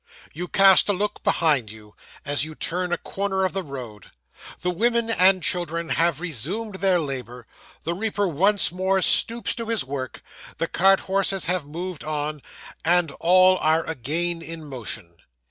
You cast a look behind you, as you turn a corner of the road. The women and children have resumed their labour; the reaper once more stoops to his work; the cart horses have moved on; and all are again in motion.